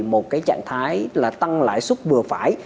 một cái trạng thái là tăng lãi suất vừa phải